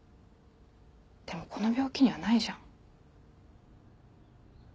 でもこの病気にはないじゃん。